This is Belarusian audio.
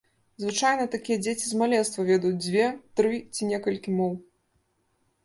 Звычайна такія дзеці з маленства ведаюць дзве, тры ці некалькі моў.